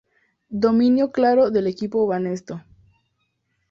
Dominio claro del equipo Banesto.